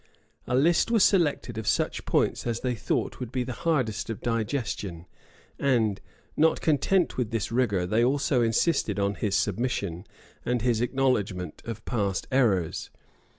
A list was selected of such points as they thought would be the hardest of digestion; and, not content with this rigor, they also insisted on his submission, and his acknowledgment of past errors.